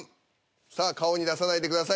さあ顔に出さないでください。